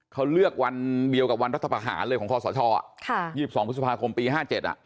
เขาเลือกวันเดียวกับวันรัฐประหารเลยของคอสช๒๒พฤษภาคมปี๕๗อ่ะ